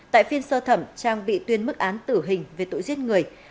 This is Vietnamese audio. tại phiên sơ thẩm trang bị tuyên mức án tử hình về tội giết người